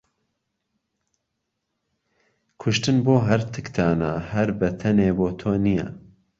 کوشتن بۆ هەرتکتانه هەر به تهنێ بۆ تۆ نییه